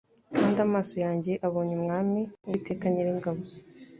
kandi amaso yanjye abonye Umwami, Uwiteka Nyir'ingabo'!"